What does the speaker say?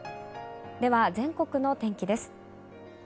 では、全国の天気です。